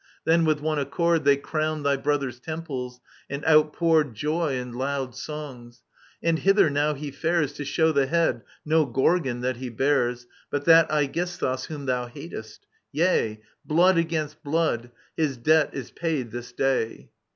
Then with one accord They crowned thy brother's temples, and outpoured Joy and loud songs. And hither now he fares To show the head, no Gorgon, that he bears, But that Aegisthus whom thou hatest I Yea, Blood against blood, his debt is paid this day.